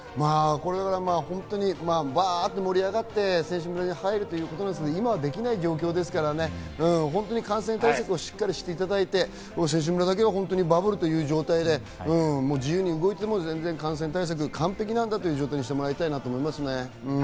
バっと盛り上がって選手村に入るということなんですが今はできない状況ですから、しっかり感染対策をしていただいて、選手村だけはバブルという状態で、自由に動いていても感染対策完璧なんだという状況にしてもらいたいと思いますね。